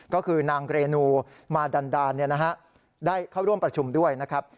ก็คือนางเรนูมาดันดาลได้เข้าร่วมประชุมด้วยนะครับ